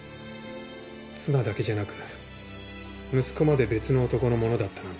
妻だけじゃなく息子まで別の男のものだったなんて